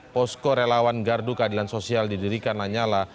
posko relawan gardu keadilan sosial didirikan lanyala